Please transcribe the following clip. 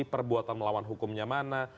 perbuatan melawan hukumnya mana